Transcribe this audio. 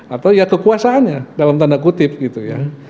atau ya kekuasaannya dalam tanda kutip gitu ya